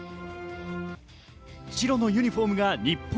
白のユニホームが日本。